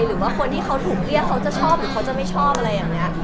หรือว่าคนที่เขาถูกเรียกเขาจะชอบหรือเขาจะไม่ชอบอะไรอย่างนี้